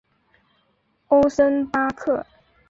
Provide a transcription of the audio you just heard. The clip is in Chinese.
欧森巴克。